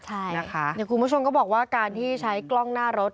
ใช่นะคะคุณผู้ชมก็บอกว่าการที่ใช้กล้องหน้ารถ